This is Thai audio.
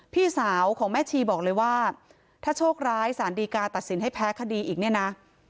พี่สาวของแม่ชีบอกเลยว่าถ้าโชคร้ายสารดีกาตัดสินให้แพ้คดีอีกเนี่ยนะ